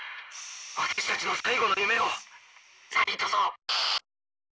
私たちの最後の夢をなにとぞ」。